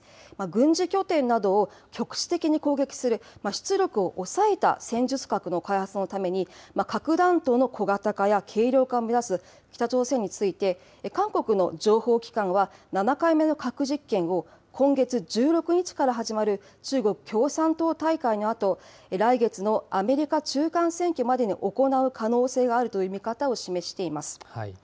軍事拠点などを局地的に攻撃する、出力を抑えた戦術核の開発のために核弾頭の小型化や軽量化を目指す北朝鮮について、韓国の情報機関は、７回目の核実験を今月１６日から始まる、中国共産党大会のあと、来月のアメリカ中間選挙までに行う可能性があるという見方を示しています。